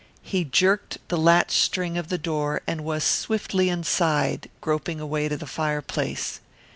He jerked the latch string of the door and was swiftly inside, groping a way to the fireplace.